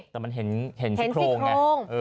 แต่มันเห็นสิคโครง